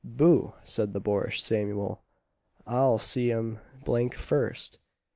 "Boo!" said the boorish Samuel "I'll see 'em d d first!"